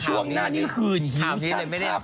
ช่วงหน้านี้คืนหิวฉันครับ